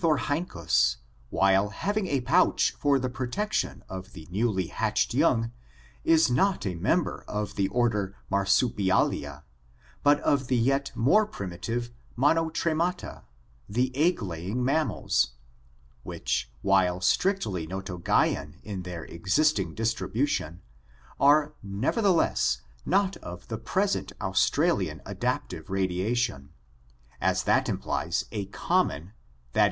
Orniihorhynchus, while having a pouch for the protection of the newly hatched young, is not a member of the order Marsupialia but of the yet more primi ADAPTIVE RADIATION 289 tive Monotremata — the egg laying mammals — which while strictly Notogaean in their existing distribution, are nevertheless not of the present Australian adaptive radiation, as that implies a common, i.